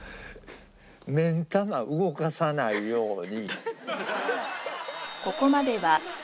目ん玉動かさないように。